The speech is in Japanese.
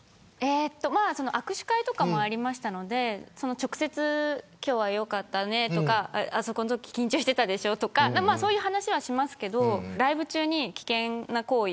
握手会とかもありましたので直接、今日は良かったねとかあそこ緊張してたでしょうとかそういう話はしますけどライブ中に危険な行為